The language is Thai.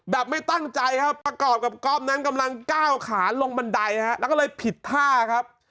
ไม่ตั้งใจครับประกอบกับก๊อฟนั้นกำลังก้าวขาลงบันไดฮะแล้วก็เลยผิดท่าครับ